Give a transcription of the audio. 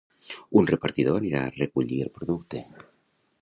Un repartidor anirà a recollir el producte.